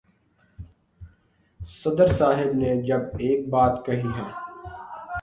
صدر صاحب نے جب ایک بات کہی ہے۔